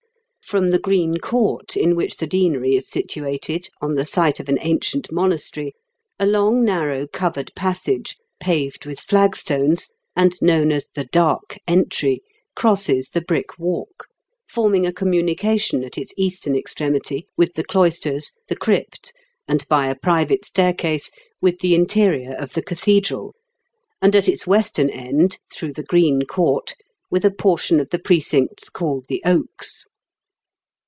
From the Green Court, in which the Deanery is situated, on the site of an ancient monastery, a long, narrow, covered passage, paved with flagstones, and known as the Dark Entry, crosses the Brick Walk, forming a communication at its eastern ex tremity with the cloisters, the crypt, and, by a private staircase, with the interior of the cathedral, and at its western end, through the Green Court, with a portion of the Precincts called the Oaks.